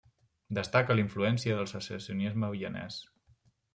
Destaca la influència del Secessionisme vienès.